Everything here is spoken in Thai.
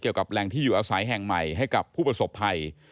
เกี่ยวกับแรงที่อยู่อาศัยแห่งใหม่ให้กับพฤศพไทย